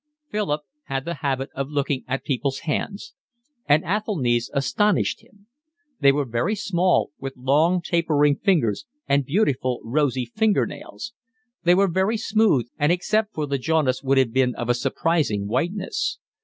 Philip had the habit of looking at people's hands, and Athelny's astonished him: they were very small, with long, tapering fingers and beautiful, rosy finger nails; they were very smooth and except for the jaundice would have been of a surprising whiteness.